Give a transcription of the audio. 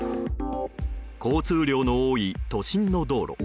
交通量の多い都心の道路。